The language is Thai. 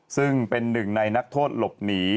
ซึ่งเป็นหนึ่งในนักโทษหลบหนี